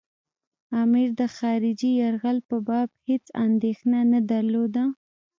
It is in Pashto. امیر د خارجي یرغل په باب هېڅ اندېښنه نه درلوده.